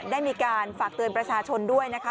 ได้มีการฝากเตือนประชาชนด้วยนะคะ